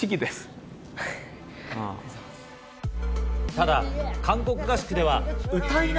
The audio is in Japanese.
ただ韓国合宿では。